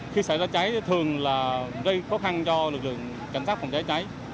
khi xảy ra cháy thường là gây khó khăn cho lực lượng cảnh sát phòng cháy cháy